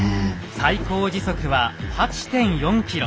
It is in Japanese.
最高時速は８．４ｋｍ。